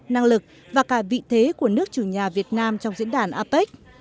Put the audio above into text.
năng lực và cả vị thế của nước chủ nhà việt nam trong diễn đàn apec